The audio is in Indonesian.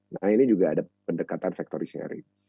nah ini juga ada pendekatan factory sharing